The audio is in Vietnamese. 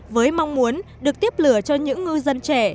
với mong muốn được tiếp lửa cho những ngư dân trẻ